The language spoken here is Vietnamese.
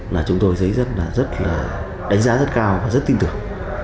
là chúng tôi thấy rất là đánh giá rất cao và rất tin tưởng